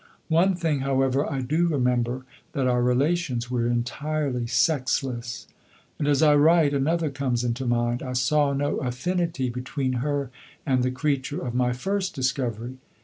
One thing, however, I do remember, that our relations were entirely sexless; and, as I write, another comes into mind. I saw no affinity between her and the creature of my first discovery.